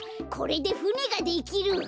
これでふねができる。